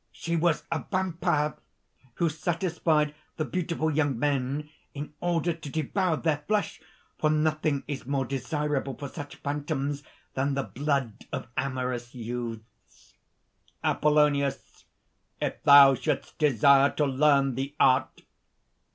She was a vampire who satisfied the beautiful young men in order to devour their flesh, for nothing is more desirable for such phantoms than the blood of amorous youths." APOLLONIUS. "If thou shouldst desire to learn the art